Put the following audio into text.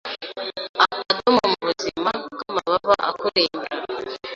Akadomo mubuzima bwamababa akurimbura